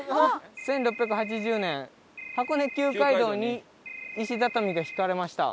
「１６８０年箱根旧街道に石畳が敷かれました」